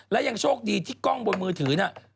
และยังโชคดีที่กล้องบนมือถือเนี่ย